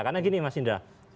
karena gini mas indra